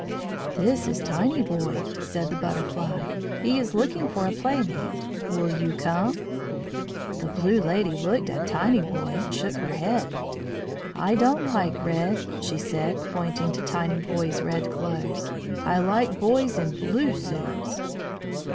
"This is Tinyboy," said the Butterfly. "He is looking for a playmate. Will you come?" The blue lady looked at Tinyboy and shook her head. "I don't like red," she said, pointing to Tinyboy's red clothes. "I like boys in blue suits."